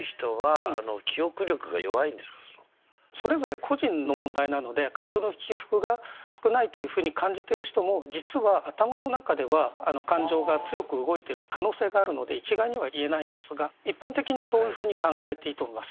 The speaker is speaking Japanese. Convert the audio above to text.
それぞれ個人の問題なので感情の起伏が少ないと感じてる人も実は頭の中では感情が強く動いてる可能性があるので一概にはいえないんですが一般的にそういうふうに考えていいと思います。